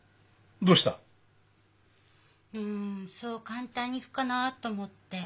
うんそう簡単にいくかなと思って。